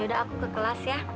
udah aku ke kelas ya